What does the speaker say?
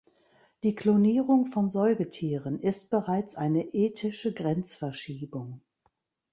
Die Klonierung von Säugetieren ist bereits eine ethische Grenzverschiebung.